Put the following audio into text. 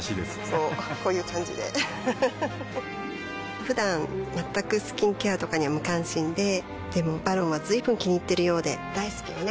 こうこういう感じでうふふふだん全くスキンケアとかに無関心ででも「ＶＡＲＯＮ」は随分気にいっているようで大好きよね